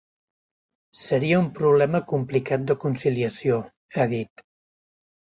“Seria un problema complicat de conciliació”, ha dit.